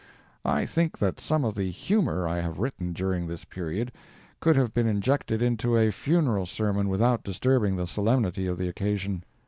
I think that some of the "humor" I have written during this period could have been injected into a funeral sermon without disturbing the solemnity of the occasion.